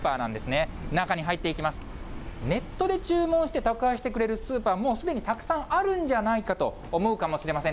ネットで注文して宅配してくれるスーパーは、もうすでに、たくさんあるんじゃないかと思うかもしれません。